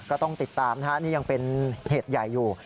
ก็ต้องติดตามนะฮะนี่ยังเป็นเหตุใหญ่อยู่